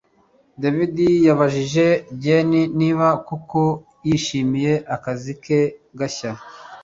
David yabajije Jane niba koko yishimiye akazi ke gashya